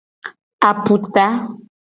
Aputa.